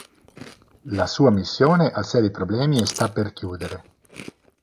La sua missione ha seri problemi e sta per chiudere.